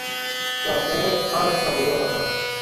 کا پیر کاہڈ تا مڑیا وا تھا